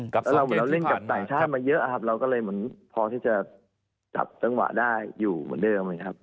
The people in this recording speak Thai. แล้วเราเหมือนเราเล่นกับต่างชาติมาเยอะครับเราก็เลยเหมือนพอที่จะจับจังหวะได้อยู่เหมือนเดิมนะครับ